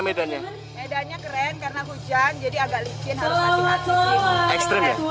medannya keren karena hujan jadi agak licin harus hati hati